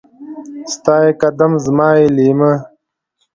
ستا يې قدم ، زما يې ليمه.